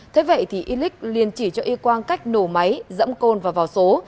thế vậy thì y lích liền chỉ cho y quang cách nổ máy dẫm côn và vào số